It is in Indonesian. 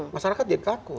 masyarakat jadi kaku